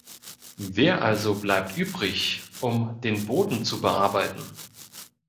Wer also bleibt übrig, um den Boden zu bearbeiten?